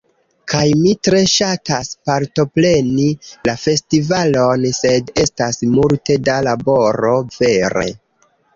Kaj mi tre ŝatas partopreni la festivalon sed estas multe da laboro vere.